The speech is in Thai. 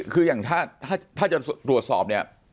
คืออย่างถ้าจะตรวจสอบเนี่ย